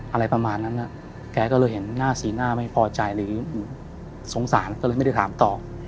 อะไรประมาณนั้นแกก็เลยเห็นหน้าสีหน้าไม่พอใจหรือสงสารก็เลยไม่ได้ถามต่อ